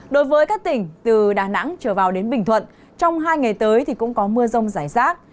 đối với các tỉnh từ đà nẵng trở vào đến bình thuận trong hai ngày tới thì cũng có mưa rông rải rác